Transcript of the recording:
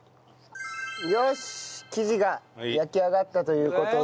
よし生地が焼き上がったという事で。